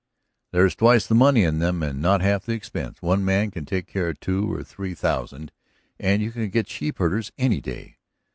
"There's twice the money in them, and not half the expense. One man can take care of two or three thousand, and you can get sheepherders any day.